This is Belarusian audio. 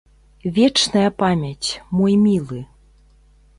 Вечная памяць, мой мілы!